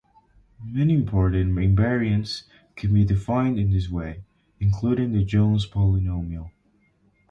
Many important invariants can be defined in this way, including the Jones polynomial.